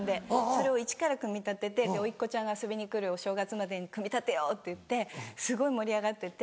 それをイチから組み立てて甥っ子ちゃんが遊びに来るお正月までに組み立てよう！って言ってすごい盛り上がってて。